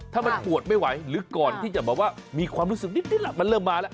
ถ้ามันปวดไม่ไหวหรือก่อนที่จะแบบว่ามีความรู้สึกนิดมันเริ่มมาแล้ว